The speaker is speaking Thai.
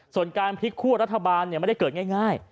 ส่วนการพลิกคั่วรัฐบาลไม่ได้เกิดง่าย